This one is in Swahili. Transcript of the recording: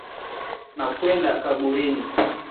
nakwenda kaburini